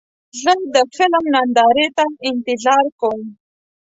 زه د فلم نندارې ته انتظار کوم.